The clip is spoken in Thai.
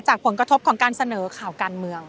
ผลกระทบของการเสนอข่าวการเมือง